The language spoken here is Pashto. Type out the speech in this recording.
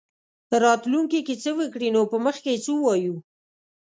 راتلونکې کې څه وکړي نو په مخ کې څه ووایو.